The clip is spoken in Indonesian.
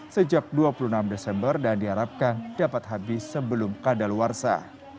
sejak dua puluh enam desember dan diharapkan dapat habis sebelum kadaluarsa